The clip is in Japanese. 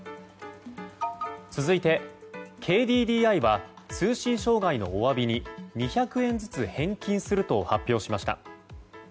続いて、ＫＤＤＩは通信障害のお詫びに２００円ずつ返金すると発表しました。